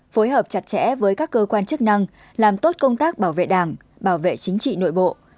phối hợp chặt chẽ với các cơ quan chức năng làm tốt công tác bảo vệ đảng bảo vệ chính trị nội bộ